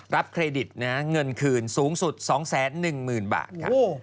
เครดิตเงินคืนสูงสุด๒๑๐๐๐บาทค่ะ